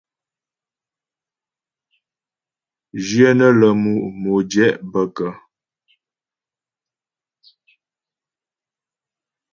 Jyə nə́ lə mú modjɛ' bə kə́ ?